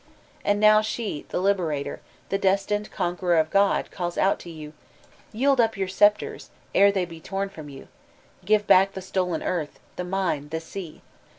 And now, she, the liberator, the destined conqueror of God, caUs out to you, "Yield up your aoep* ters ere they be torn from you; give back the stolen earth, the mine, the sea